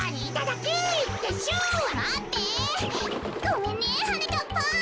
ごめんねはなかっぱん。